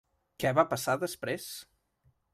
Què va passar després?